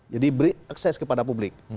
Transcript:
jadi beri akses kepada publik